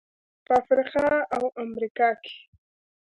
په افریقا او امریکا کې.